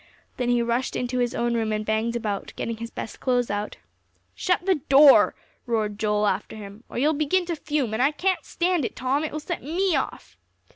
Then he rushed into his own room and banged about, getting his best clothes out. "Shut the door," roared Joel after him, "or you'll begin to fume, and I can't stand it, Tom; it will set me off."